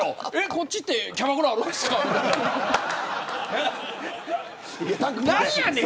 こっちってキャバクラあるんですかってなんやねん。